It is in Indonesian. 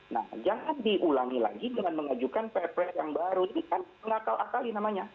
nah jangan diulangi lagi dengan mengajukan ppres yang baru ini kan mengakal akali namanya